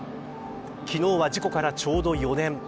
昨日は事故からちょうど４年。